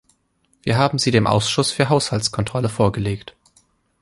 Wir haben sie dem Ausschuss für Haushaltskontrolle vorgelegt.